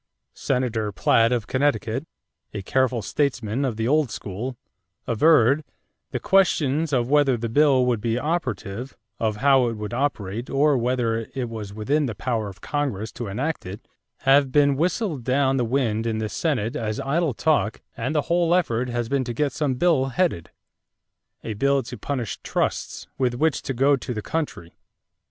Senator Platt of Connecticut, a careful statesman of the old school, averred: "The questions of whether the bill would be operative, of how it would operate, or whether it was within the power of Congress to enact it, have been whistled down the wind in this Senate as idle talk and the whole effort has been to get some bill headed: 'A bill to punish trusts,' with which to go to the country."